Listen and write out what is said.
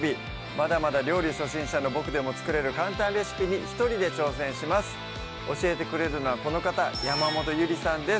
まだまだ料理初心者のボクでも作れる簡単レシピに一人で挑戦します教えてくれるのはこの方山本ゆりさんです